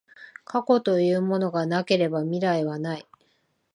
過去というものがなければ未来はない。